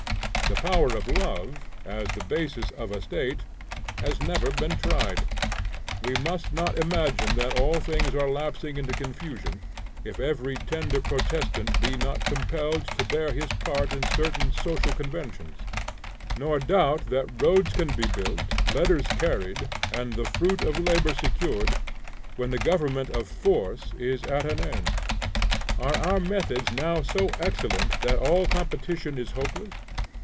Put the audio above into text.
The power of love, as the basis of a State, has never been tried. We must not imagine that all things are lapsing into confusion if every tender protestant be not compelled to bear his part in certain social conventions; nor doubt that roads can be built, letters carried, and the fruit of labor secured, when the government of force is at an end. Are our methods now so excellent that all competition is hopeless?